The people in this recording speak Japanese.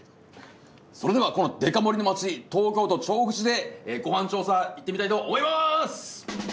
それではこのデカ盛りの町東京都調布市でご飯調査いってみたいと思います！